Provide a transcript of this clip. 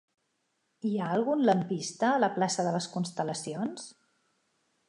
Hi ha algun lampista a la plaça de les Constel·lacions?